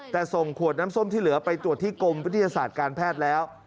แต่ส่งขวดน้ำส้มที่เหลือไปตรวจที่กรมวิทยาศาสตร์การแพทย์แล้ว